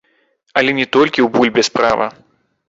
Але не толькі ў бульбе справа.